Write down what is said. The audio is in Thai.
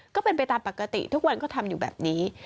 ก็เป็นไปตามปกติทุกวันก็ทำอยู่แบบนี้